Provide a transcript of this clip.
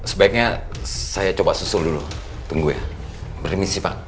sebaiknya saya coba susul dulu tunggu ya bermisi pak